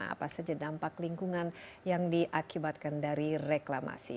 apa saja dampak lingkungan yang diakibatkan dari reklamasi